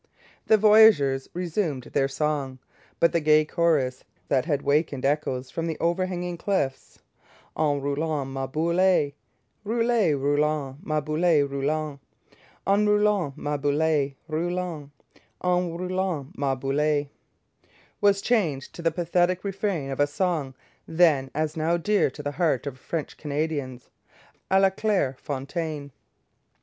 The voyageurs resumed their song, but the gay chorus that had wakened echoes from the overhanging cliffs, En roulant ma boule, Rouli, roulant, ma boule roulant, En roulant ma boule roulant, En roulant ma boule, was changed to the pathetic refrain of a song then as now dear to the heart of French Canadians A la claire fontaine.